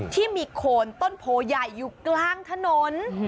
ที่มีโคนต้นโพใหญ่อยู่กลางถนน